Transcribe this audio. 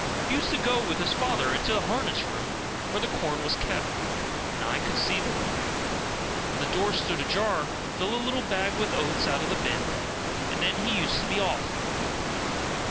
He used to go with his father into the harness room, where the corn was kept, and I could see them, when the door stood ajar, fill a little bag with oats out of the bin, and then he used to be off.